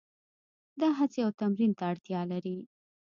دا هڅې او تمرین ته اړتیا لري.